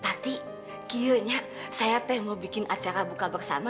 tati kira nya saya teh mau bikin acara buka bersama